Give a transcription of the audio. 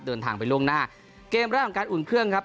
เดินทางไปล่วงหน้าเกมแรกของการอุ่นเครื่องครับ